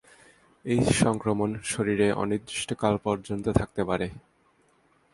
এই সংক্রমণ শরীরে অনির্দিষ্ট কাল পর্যন্ত থাকতে পারে।